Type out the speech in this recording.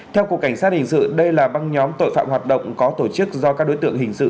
theo cục cảnh sát hình sự đây là băng nhóm tội phạm hoạt động có tổ chức do các đối tượng hình sự